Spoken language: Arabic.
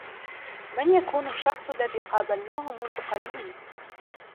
من يكون الشخص الذي قابلناه منذ قليل؟